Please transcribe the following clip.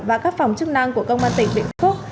và các phòng chức năng của công an tỉnh vĩnh phúc